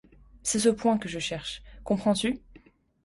C'est ce point que je cherche ; comprends-tu ?